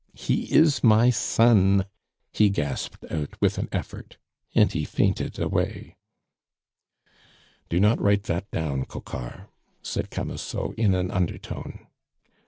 he is my son," he gasped out with an effort. And he fainted away. "Do not write that down, Coquart," said Camusot in an undertone.